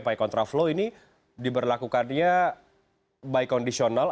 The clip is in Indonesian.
pakai contra flow ini diberlakukannya by conditional